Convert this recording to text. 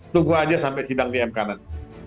tunggu saja sampai sidang dm kanan